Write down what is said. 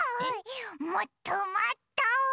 もっともっと！